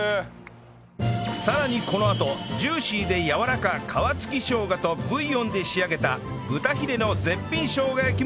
さらにこのあとジューシーでやわらか皮つきしょうがとブイヨンで仕上げた豚ヒレの絶品しょうが焼きも登場